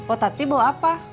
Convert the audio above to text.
oh tadi bawa apa